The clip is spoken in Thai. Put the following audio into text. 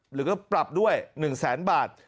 หรือก็ปรับด้วย๑แสนบาท